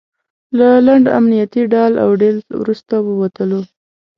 له لنډ امنیتي ډال او ډیل وروسته ووتلو.